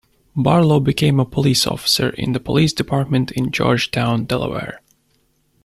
Barlow became a police officer in the police department in Georgetown, Delaware.